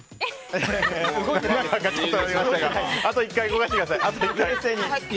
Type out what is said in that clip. あと１回、動かしてください。